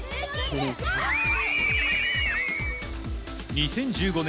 ２０１５年